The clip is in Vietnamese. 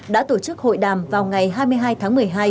đã tổ chức hội đàm vào ngày hai mươi hai tháng một mươi hai